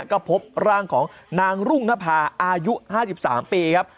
ก็พบร่างของนางรุ่งนภาอายุ๕๓ปีครับ